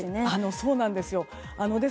そうなんです。